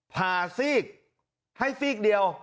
ซีกให้ซีกเดียว